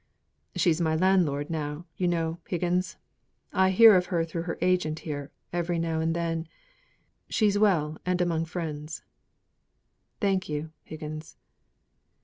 "She's my landlord now, you know, Higgins. I hear of her through her agent here, every now and then. She's well and among friends thank you, Higgins."